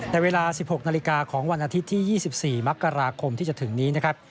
ในเวลา๑๖นาฬิกาของวันอาทิตย์ที่๒๔มกราคมที่จะถึงนี้นะครับ